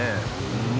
うん？